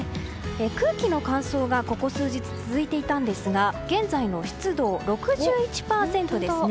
空気の乾燥が、ここ数日続いていたんですが現在の湿度、６１％ですね。